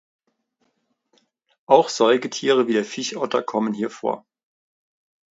Auch Säugetiere wie der Fischotter kommen hier vor.